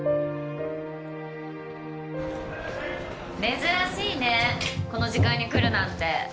珍しいねこの時間に来るなんて